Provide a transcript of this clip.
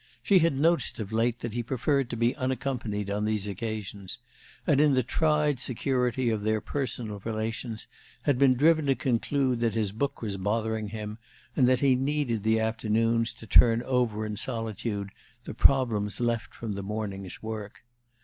She had noticed of late that he preferred to be unaccompanied on these occasions; and, in the tried security of their personal relations, had been driven to conclude that his book was bothering him, and that he needed the afternoons to turn over in solitude the problems left from the morning's work.